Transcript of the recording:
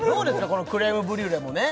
このクレームブリュレもね